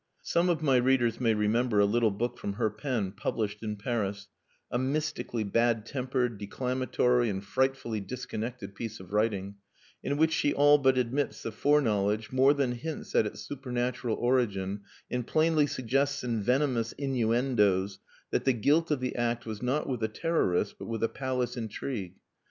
Some of my readers may remember a little book from her pen, published in Paris, a mystically bad tempered, declamatory, and frightfully disconnected piece of writing, in which she all but admits the foreknowledge, more than hints at its supernatural origin, and plainly suggests in venomous innuendoes that the guilt of the act was not with the terrorists, but with a palace intrigue.